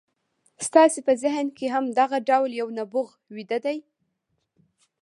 ستاسې په ذهن کې هم دغه ډول یو نبوغ ویده دی